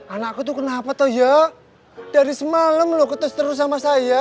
anakku tuh kenapa tuh ya dari semalam lo ketus terus sama saya